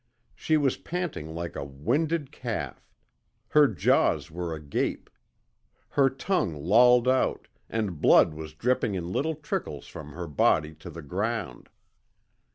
She was panting like a winded calf. Her jaws were agape. Her tongue lolled out, and blood was dripping in little trickles from her body to the ground.